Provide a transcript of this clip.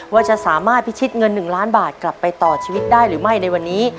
ว่าจะสามารถพิชิตเงิน๑ล้านบาทกลับไปต่อชีวิตได้หรือไม่ในวันนี้